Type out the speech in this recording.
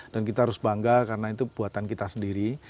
dan kita harus bangga karena itu buatan kita sendiri